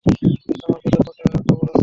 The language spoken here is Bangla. আমার কাছে পাকা খবর আছে।